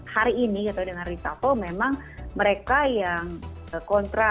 hari ini gitu dengan red staffel memang mereka yang kontra